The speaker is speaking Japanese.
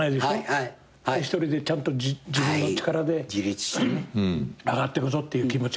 一人でちゃんと自分の力で上がってくぞっていう気持ちが。